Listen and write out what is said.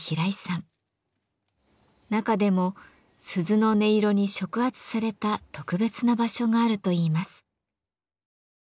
中でも鈴の音色に触発された特別な場所があるといいます。